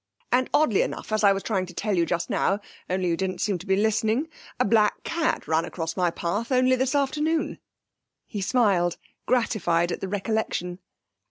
'And oddly enough as I was trying to tell you just now, only you didn't seem to be listening a black cat ran across my path only this afternoon.' He smiled, gratified at the recollection.